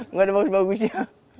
nggak ada bagus bagusnya